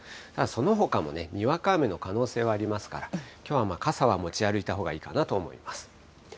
そのほかもにわか雨の可能性はありますから、きょうは傘は持ち歩いたほうがいいかなと思います。